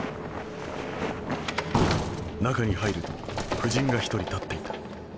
中に入ると夫人が１人立っていた。